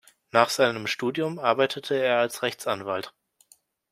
Nach seinem Studium arbeitete er als Rechtsanwalt.